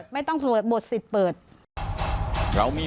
ไม่ต้องเปิดเลย